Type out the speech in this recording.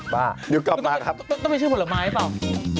บ้าต้องไปชื่อผลไม้หรือเปล่าอยู่กลับมาครับ